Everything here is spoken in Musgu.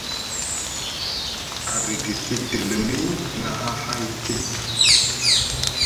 A rgiti dilimi na hahay tiɓ,